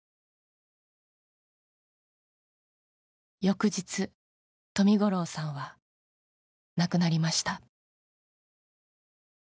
翌日冨五郎さんは亡くなりました。